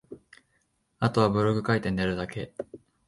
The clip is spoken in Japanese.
後はブログ書いて寝るだけ